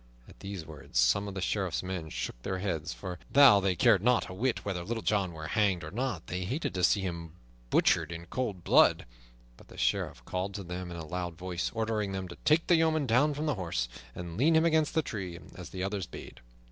At these words some of the Sheriff's men shook their heads; for, though they cared not a whit whether Little John were hanged or not, they hated to see him butchered in cold blood. But the Sheriff called to them in a loud voice, ordering them to take the yeoman down from the horse and lean him against the tree, as the other bade.